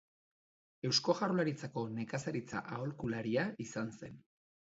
Eusko Jaurlaritzako nekazaritza-aholkularia izan zen.